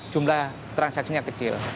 jumlah transaksinya kecil